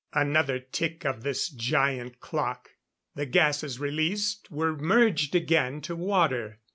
Another tick of this giant clock the gases released, were merged again to water.